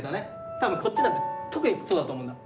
多分こっちだと特にそうだと思うんだ。